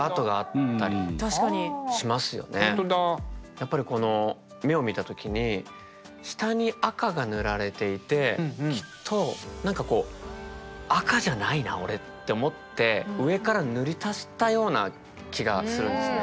やっぱりこの目を見た時に下に赤が塗られていてきっと何かこう赤じゃないな俺って思って上から塗り足したような気がするんですね。